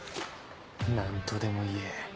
何とでも言え